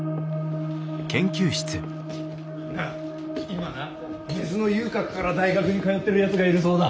なあ今な根津の遊郭から大学に通ってるやつがいるそうだ！